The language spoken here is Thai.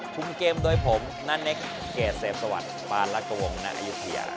ทุ่มเกมโดยผมณเนคเกศเซฟสวัสดิ์ปารักวงณอยุธยา